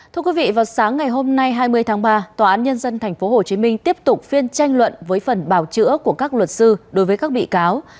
thưa quý vị vào sáng ngày hôm nay hai mươi tháng ba tòa án nhân dân tp hcm tiếp tục phiên tranh luận với phần bào chữa của các luật sư đối với các bị cáo